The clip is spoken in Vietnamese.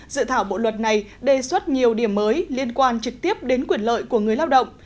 dự thảo bộ luật này đề xuất nhiều điểm mới liên quan trực tiếp đến quyền lợi của người lao động